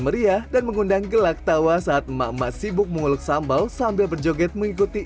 tadi memang disuluh cobek gitu ya